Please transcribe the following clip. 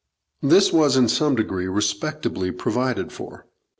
This was in some degree respectably provided for.